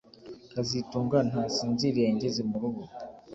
kazitunga ntasinziriye ngeze murugo